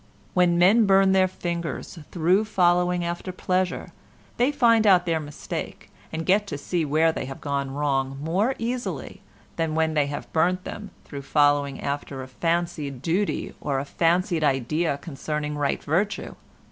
When men burn their fingers through following after pleasure they find out their mistake and get to see where they have gone wrong more easily than when they have burnt them through following after a fancied duty, or a fancied idea concerning right virtue.